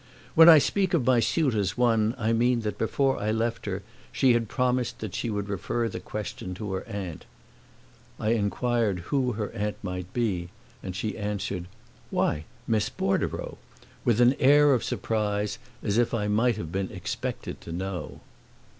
When I speak of my suit as won I mean that before I left her she had promised that she would refer the question to her aunt. I inquired who her aunt might be and she answered, "Why, Miss Bordereau!" with an air of surprise, as if I might have been expected to know.